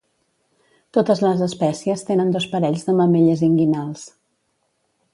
Totes les espècies tenen dos parells de mamelles inguinals.